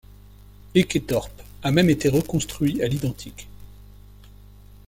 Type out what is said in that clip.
Eketorp a même été reconstruit à l'identique.